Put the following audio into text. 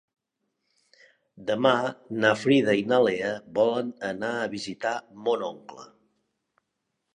Demà na Frida i na Lea volen anar a visitar mon oncle.